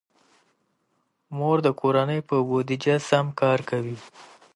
مور د کورنۍ په بودیجه سم کار کوي.